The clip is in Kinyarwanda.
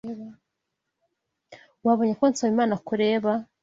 Wabonye ko Nsabimana akureba?